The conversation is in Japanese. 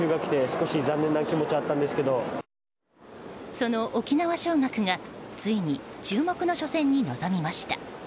その沖縄尚学がついに注目の初戦に臨みました。